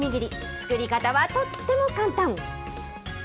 作り方はとっても簡単。